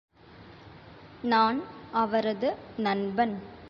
நான் அவரது நண்பன்.